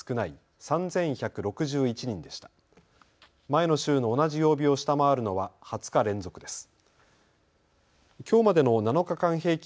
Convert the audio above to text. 前の週の同じ曜日を下回るのは２０日連続です。